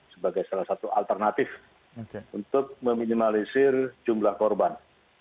sebagai salah satu alternatif untuk meminimalisir jumlah korban